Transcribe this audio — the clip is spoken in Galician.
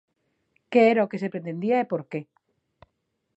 Que era o que se pretendía e por que?